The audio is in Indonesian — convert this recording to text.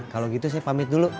kalau gitu saya pamit dulu